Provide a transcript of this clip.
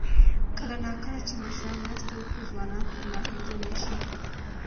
کله نا کله چې مشران مرسته وکړي، ځوانان به ناهیلي نه شي.